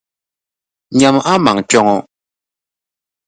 Nyami a maŋa kpe ŋɔ.